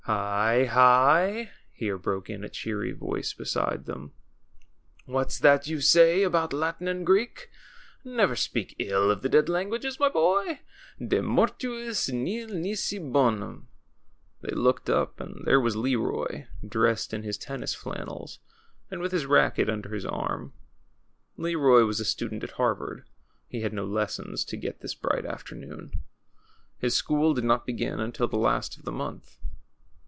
Hi, hi !" here broke in a cheery voice beside them. 104 THE CHILDREN'S WONDER BOOK. What's that you say about Latin and Greek ? Never speak ill of the dead languages, my boy — De mortuis nil nisi honumT They looked up and there was Leroy, dressed in his tennis flannels and with his racket under his arm. Leroy was a student at Harvard. He had no lessons to get this bright afternoon. His school did not begin until the last of the month.